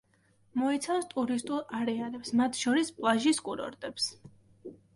მოიცავს ტურისტულ არეალებს, მათ შორის პლაჟის კურორტებს.